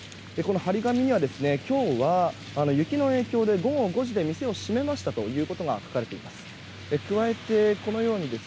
貼り紙には、今日は雪の影響で午後５時で店を閉めましたということが書かれています。